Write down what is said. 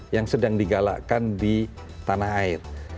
yang sedang digalakkan di tanah air